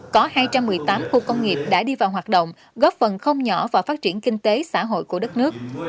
có hai trăm một mươi tám khu công nghiệp đã đi vào hoạt động góp phần không nhỏ vào phát triển kinh tế xã hội của đất nước